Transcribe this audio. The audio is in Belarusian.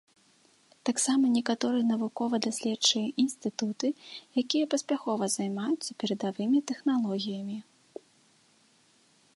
Таксама некаторыя навукова-даследчыя інстытуты, якія паспяхова займаюцца перадавымі тэхналогіямі.